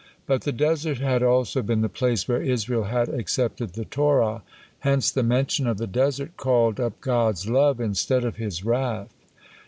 But the desert had also been the place where Israel had accepted the Torah, hence the mention of the desert called up God's love instead of His wrath.